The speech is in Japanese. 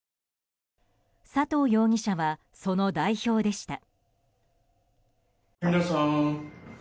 佐藤容疑者はその代表でした。